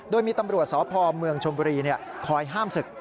โดยมีตำรวจสพเมืองชมบุรีคอยห้ามศึก